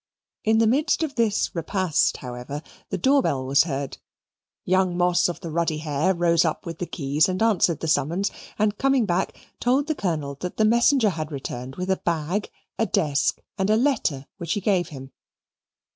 In the midst of this repast, however, the doorbell was heard young Moss of the ruddy hair rose up with the keys and answered the summons, and coming back, told the Colonel that the messenger had returned with a bag, a desk and a letter, which he gave him.